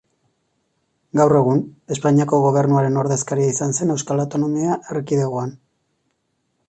Gaur egun, Espainiako Gobernuaren ordezkaria izan zen Euskal Autonomia Erkidegoan.